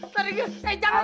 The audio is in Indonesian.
tarik gue eh jangan